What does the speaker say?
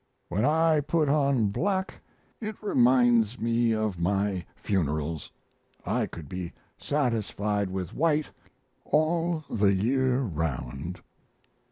When I put on black it reminds me of my funerals. I could be satisfied with white all the year round."